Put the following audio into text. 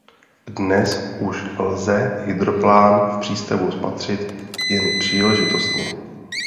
Dnes už lze hydroplán v přístavu spatřit jen příležitostně.